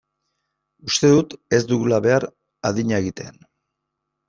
Uste dut ez dugula behar adina egiten.